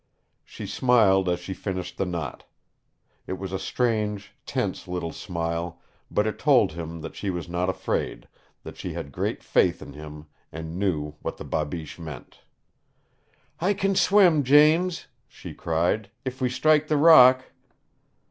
She smiled as she finished the knot. It was a strange, tense little smile, but it told him that she was not afraid, that she had great faith in him, and knew what the babiche meant. "I can swim, Jeems," she cried. "If we strike the rock."